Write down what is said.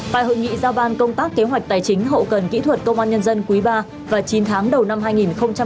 tại hội nghị giao ban công tác kế hoạch tài chính hậu cần kỹ thuật công an nhân dân quý ba và chín tháng đầu năm hai nghìn hai mươi bốn